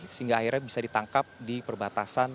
sehingga akhirnya bisa ditangkap di perbatasan